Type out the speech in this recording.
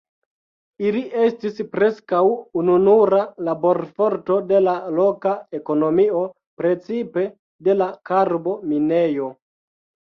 Ili estis preskaŭ ununura laborforto de la loka ekonomio, precipe de la karbo- minejo.